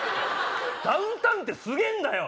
ダウンタウンってすげぇんだよ！